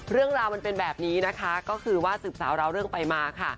เรื่องราวมันเป็นแบบนี้นะคะก็คือว่าสืบสาวราวเรื่องไปมาค่ะ